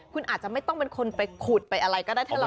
คุณอาจจะไม่ต้องเป็นคนไปขูดไปอะไรก็ได้ถ้าเราไม่รู้